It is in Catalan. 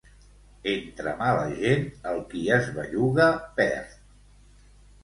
Entre mala gent, el qui es belluga perd.